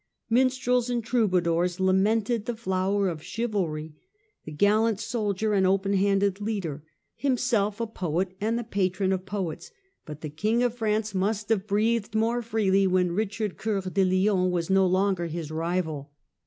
Minstrels and troubadours lamented the flower of chivalry, the gallant soldier and open handed leader, himself a poet and tlie patron of poets, but the King of France must have PHILIP AUGUSTUS, LOUIS VIII., AND ST LOUIS 189 breathed more freely when Eichard " Coeur de Lion " was no longer his rival.